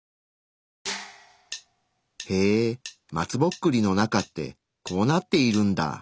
へえ松ぼっくりの中ってこうなっているんだ。